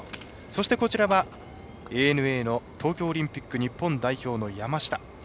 そして、こちらはＡＮＡの東京オリンピック日本代表の山下。